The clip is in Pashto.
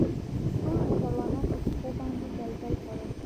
ټولو موټروانانو په پښو باندې ګلګل تړل.